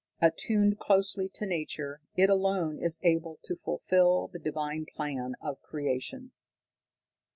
Attuned closely to nature, it alone is able to fulfil the divine plan of Creation."